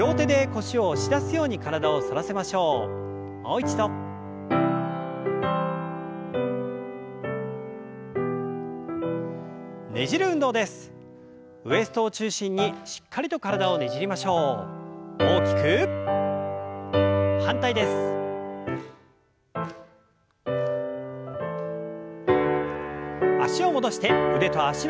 脚を戻して腕と脚の運動。